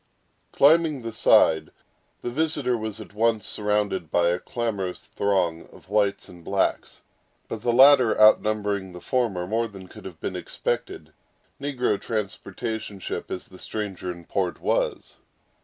Climbing the side, the visitor was at once surrounded by a clamorous throng of whites and blacks, but the latter outnumbering the former more than could have been expected, negro transportation ship as the stranger in port was.